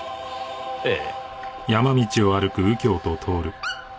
ええ。